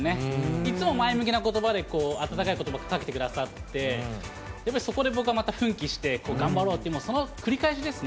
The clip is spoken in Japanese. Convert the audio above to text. いつも前向きなことばで、温かいことばをかけてくださって、やっぱりそこで僕はまた奮起して、頑張ろうって、その繰り返しですね。